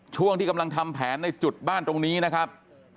ช่วงที่กำลังทำแผนในจุดบ้านตรงนี้นะครับ